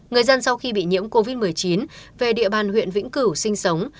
người dân sau khi bị nhiễm covid một mươi chín về địa bàn huyện vĩnh cửu sinh sống